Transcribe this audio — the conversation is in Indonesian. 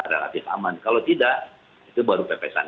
relatif aman kalau tidak itu baru pepesan